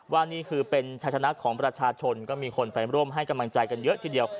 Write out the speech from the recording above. ว่านี่คือเป็นชัยชนะของประชาชนก็มีคนไปร่วมให้กำลังใจกันเยอะทีเดียว